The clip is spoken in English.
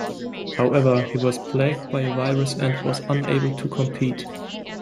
However, he was plagued by a virus and was unable to compete.